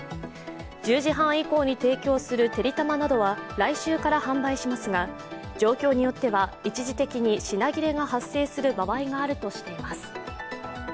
１０時半以降に提供するてりたまなどは来週から販売しますが、状況によっては一時的に品切れが発生する場合があるとしています。